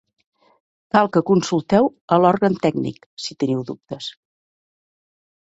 Cal que consulteu a l'òrgan tècnic, si teniu dubtes.